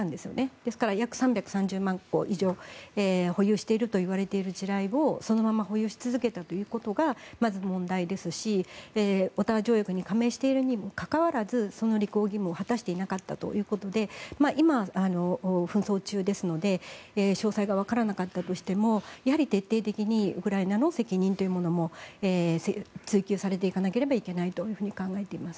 ですから、約３３０万個以上保有しているといわれる地雷をそのまま保有し続けたということがまず問題ですしオタワ条約に加盟しているにもかかわらずその履行義務を果たしていなかったということで今は紛争中ですので詳細がわからなかったとしてもやはり徹底的にウクライナの責任というものも追及されていかなければいけないと考えています。